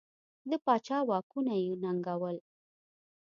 د پاچا واکونه یې ننګول.